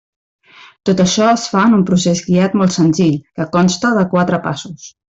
Tot això es fa en un procés guiat molt senzill que consta de quatre passos.